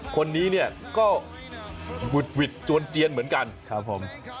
คนนี้เนี่ยก็หุดหวิดจวนเจียนเหมือนกันครับผม